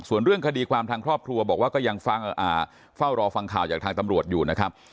ส่วนเรื่องคดีความทางครอบครัวบอกว่าก็ยังเฝ้ารอฟังข่าวจากทางตำรวจอยู่นะครับ